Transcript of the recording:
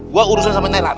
gue urusan sama sinelan